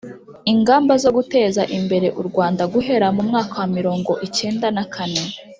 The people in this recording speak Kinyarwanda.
ingamba zo guteza imbere u rwanda guhera mu mwaka wa mirongo icyenda na kane